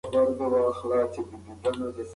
هر څاڅکی اوبه ارزښت لري.